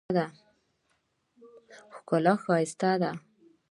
ښکلا ښایسته ده.